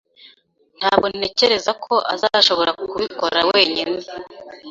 Ntabwo ntekereza ko azashobora kubikora wenyine.